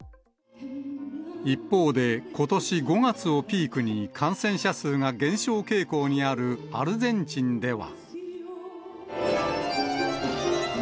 一方で、ことし５月をピークに感染者数が減少傾向にあるアルゼンチンでは。